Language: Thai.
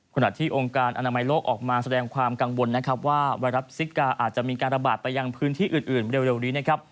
ขณะที่องค์การอนามัยโลกออกมาแสดงความกังวลนะครับว่าไวรัสซิกาอาจจะมีการระบาดไปยังพื้นที่อื่นเร็วนี้นะครับ